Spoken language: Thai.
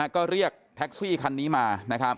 ก็เรียกแท็กซี่คันนี้มา